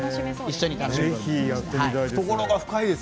ぜひやってみたいです。